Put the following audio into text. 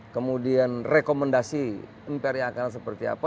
kemudian rekomendasi mpr yang akan seperti apa